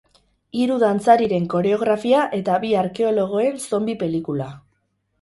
Hiru dantzariren koreografia eta bi arkeologoen zonbi pelikula.